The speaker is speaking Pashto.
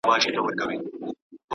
زه کولای سم وخت ونیسم!.